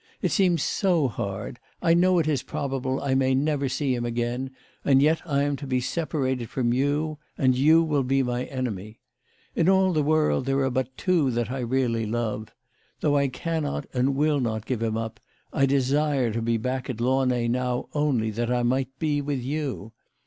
It seems so hard ! I know it is probable that I may never see him again, and yet I am to be separated from you, and you will be my enemy. In all the world there are but two that I really love. Though I cannot and will not give him up, I desire to be back at Launay now only that I might be with you.